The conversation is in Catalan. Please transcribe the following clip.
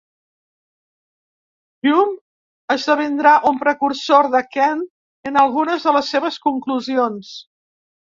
Hume esdevindrà un precursor de Kant en algunes de les seves conclusions.